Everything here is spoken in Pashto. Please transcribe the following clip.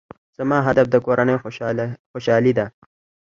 زما هدف د کورنۍ خوشحالي ده.